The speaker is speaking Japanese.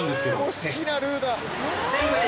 好きなルーだ！